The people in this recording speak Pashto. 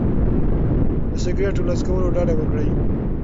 د سګرټو له څکولو ډډه وکړئ.